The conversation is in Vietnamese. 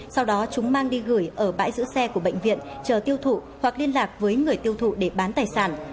sau đó chúng mang đi gửi ở bãi giữ xe của bệnh viện chờ tiêu thụ hoặc liên lạc với người tiêu thụ để bán tài sản